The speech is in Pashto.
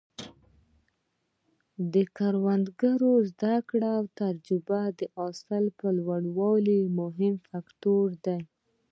د کروندګرو زده کړه او تجربه د حاصل د لوړوالي مهم فکتور دی.